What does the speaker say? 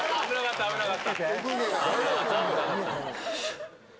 危なかった。